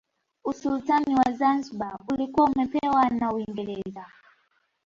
Usultani wa Zanzibar ulikuwa umepewa na Uingereza